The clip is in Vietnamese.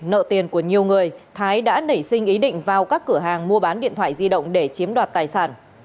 nợ tiền của nhiều người thái đã nảy sinh ý định vào các cửa hàng mua bán điện thoại di động để chiếm đoạt tài sản